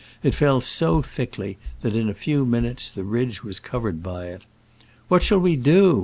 It fell so thickly that in a few minutes the ridge was covered by it. " What shall we do